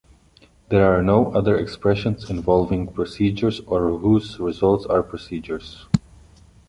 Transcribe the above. There are no other expressions involving procedures or whose results are procedures.